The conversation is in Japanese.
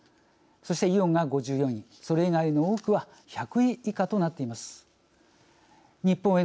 そしてイオンが５４位それ以外の多くは１００位以下となっています。